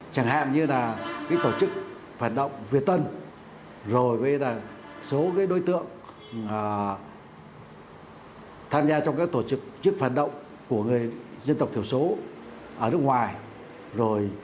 chẳng hạn như là tổ chức phản động việt tân rồi với số đối tượng tham gia trong các tổ chức phản động của người dân tộc thiểu số ở nước ngoài rồi